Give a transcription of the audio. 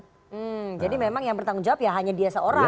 hmm jadi memang yang bertanggung jawab ya hanya dia seorang